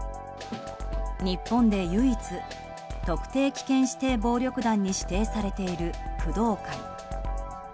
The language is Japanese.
日本で唯一特定危険指定暴力団に指定されている工藤会。